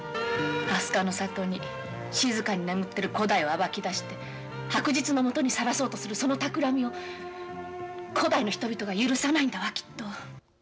飛鳥の里に静かに眠っている古代を暴き出して白日のもとにさらそうとするそのたくらみを古代の人々が許さないんだわ、きっと。